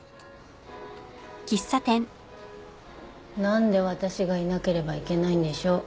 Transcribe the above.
何で私がいなければいけないんでしょ？